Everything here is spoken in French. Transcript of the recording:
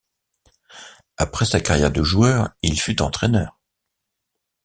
Après sa carrière de joueur, il fut entraîneur.